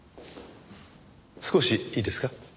少しいいですか？